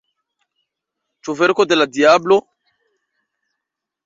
Ĉu verko de la diablo?